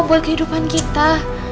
buat kehidupan kita